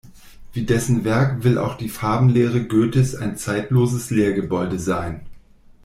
Wie dessen Werk will auch die Farbenlehre Goethes ein zeitloses Lehrgebäude sein.